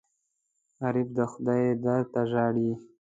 غریب د خدای در ته ژاړي